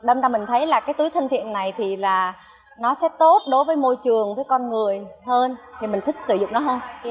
đâm ra mình thấy là cái túi thân thiện này thì là nó sẽ tốt đối với môi trường với con người hơn thì mình thích sử dụng nó hơn